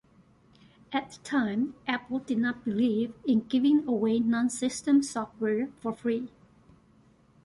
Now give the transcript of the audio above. At the time Apple did not believe in giving away non-system software for free.